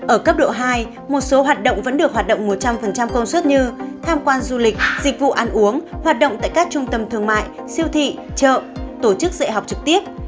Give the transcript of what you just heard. ở cấp độ hai một số hoạt động vẫn được hoạt động một trăm linh công suất như tham quan du lịch dịch vụ ăn uống hoạt động tại các trung tâm thương mại siêu thị chợ tổ chức dạy học trực tiếp